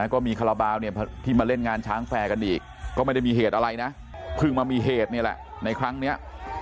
ก็มีคาราบาลเนี่ยที่มาเล่นงานช้างแฟร์กันอีกก็ไม่ได้มีเหตุอะไรนะเพิ่งมามีเหตุนี่แหละในครั้งนี้